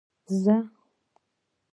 زه